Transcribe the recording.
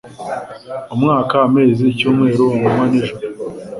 umwaka, amezi, icyumweru, amanywa n'ijoro